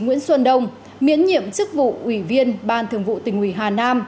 nguyễn xuân đông miễn nhiệm chức vụ ủy viên ban thường vụ tỉnh ủy hà nam